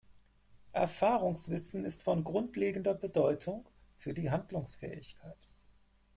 Erfahrungswissen ist von grundlegender Bedeutung für die Handlungsfähigkeit.